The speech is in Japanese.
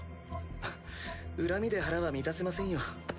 ふっ恨みで腹は満たせませんよ。